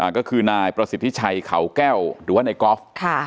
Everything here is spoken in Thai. ก็คือนายประสิทธิชัยเขาแก้วหรือว่าในกอล์ฟ